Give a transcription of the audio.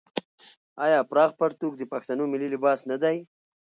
آیا پراخ پرتوګ د پښتنو ملي لباس نه دی؟